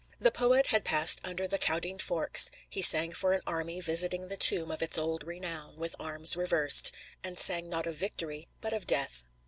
The poet had passed under the Caudine Forks; he sang for an army visiting the tomb of its old renown, with arms reversed; and sang not of victory, but of death.